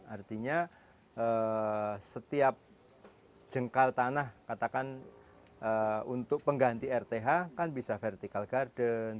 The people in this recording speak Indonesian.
artinya setiap jengkal tanah katakan untuk pengganti rth kan bisa vertical garden